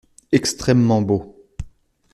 Extrêmement beau.